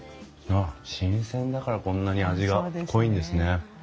ああ新鮮だからこんなに味が濃いんですね。